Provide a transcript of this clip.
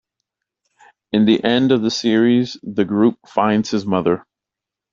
In the end of the series the group finds his mother.